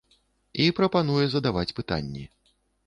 І прапануе задаваць пытанні.